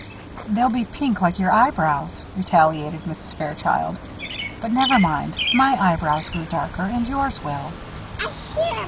"They'll be pink, like your eyebrows," retaliated Mrs. Fairchild, "but never mind; my eyebrows grew darker and yours will."